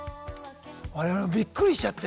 我々もびっくりしちゃって。